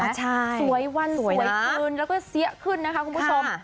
อ่าใช่สวยวันสวยขึ้นแล้วก็เสียขึ้นนะคะคุณผู้ชมค่ะ